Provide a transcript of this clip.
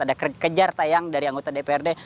ada kejar tayang dari anggota dprd